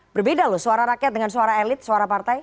berbeda loh suara rakyat dengan suara elit suara partai